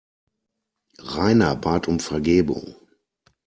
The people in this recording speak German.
Rainer bat um Vergebung.